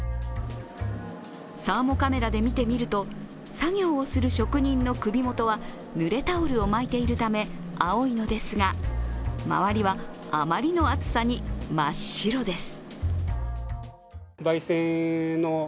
サーモカメラで見てみると作業をする職人の首もとはぬれタオルを巻いているため青いのですが、周りはあまりの暑さに真っ白です。